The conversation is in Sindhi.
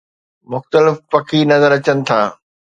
مختلف پکي نظر اچن ٿا